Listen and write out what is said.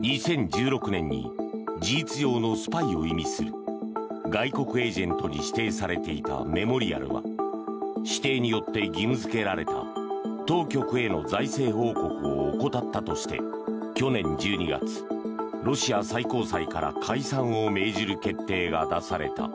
２０１６年に事実上のスパイを意味する外国エージェントに指定されていたメモリアルは指定によって義務付けられた当局への財政報告を怠ったとして去年１２月、ロシア最高裁から解散を命じる決定が出された。